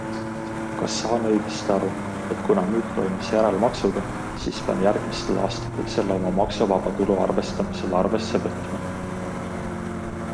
Kas saan õigesti aru, et kuna müük toimus järelmaksuga, siis pean järgmistel aastatel selle oma maksuvaba tulu arvestamisel arvesse võtma?